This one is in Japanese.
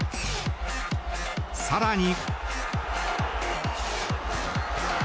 更に。